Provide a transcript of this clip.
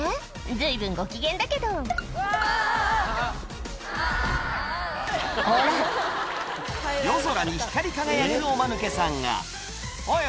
随分ご機嫌だけどほら夜空に光り輝くおマヌケさんがおい